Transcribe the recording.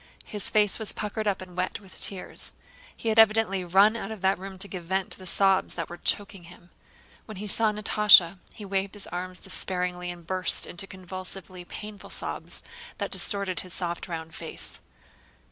His face was puckered up and wet with tears. He had evidently run out of that room to give vent to the sobs that were choking him. When he saw Natásha he waved his arms despairingly and burst into convulsively painful sobs that distorted his soft round face.